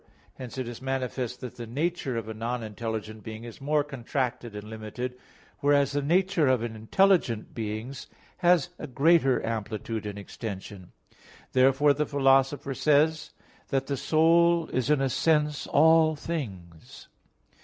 Hence it is manifest that the nature of a non intelligent being is more contracted and limited; whereas the nature of intelligent beings has a greater amplitude and extension; therefore the Philosopher says (De Anima iii) that "the soul is in a sense all things."